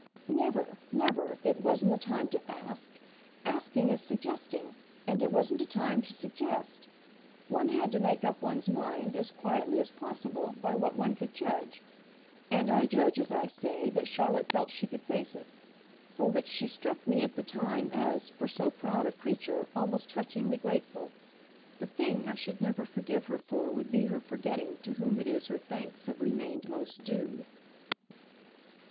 "Never, never it wasn't a time to 'ask.' Asking is suggesting and it wasn't a time to suggest. One had to make up one's mind, as quietly as possible, by what one could judge. And I judge, as I say, that Charlotte felt she could face it. For which she struck me at the time as for so proud a creature almost touchingly grateful. The thing I should never forgive her for would be her forgetting to whom it is her thanks have remained most due."